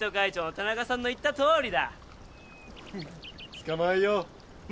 捕まえよう。